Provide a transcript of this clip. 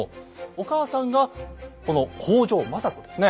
お母さんがこの北条政子ですね。